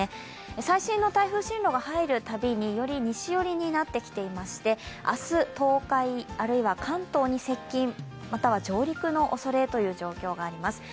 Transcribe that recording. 最新の台風進路が入るたびにより西寄りになってきまして明日、東海あるいは関東に接近、または上陸のおそれという状況があります。